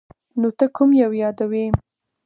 نو ته کوم یو یادوې ؟